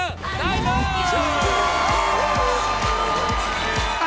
ไดน่า